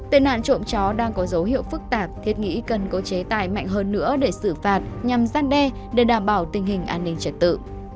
tên nạn trộm chó đang có dấu hiệu phức tạp thiết nghĩ cần có chế tài mạnh hơn nữa để xử phạt nhằm gian đe để đảm bảo tình hình an ninh trật tự